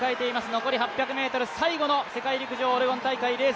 残り８００ｍ、最後の世界陸上オレゴン大会。